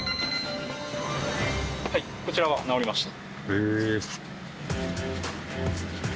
はいこちらは直りました。